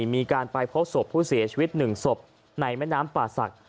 มีการไปพบศพผู้เสียชีวิต๑ศพในแม่น้ำป่าศักดิ